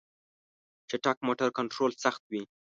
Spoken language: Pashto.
چټک موټر کنټرول سخت وي.